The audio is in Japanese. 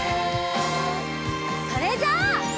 それじゃあ。